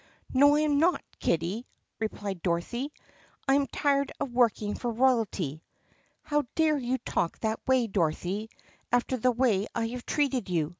"I am not, kitty!" replied Dorothy. "I am tired of working for royalty." "How dare you talk that way, Dorothy, after the way I have treated you*?"